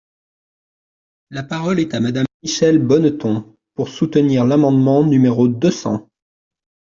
La parole est à Madame Michèle Bonneton, pour soutenir l’amendement numéro deux cents.